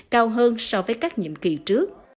cao hơn so với các nhiệm kỳ trước